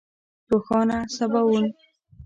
روښانه سباوون